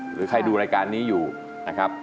หรือใครดูรายการนี้อยู่นะครับ